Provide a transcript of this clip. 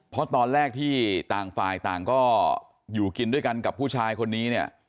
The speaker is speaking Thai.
เพราะตอนแรกที่ต่างฝ่ายต่างก็อยู่กินด้วยกันกับผู้ชายคนนี้เนี่ย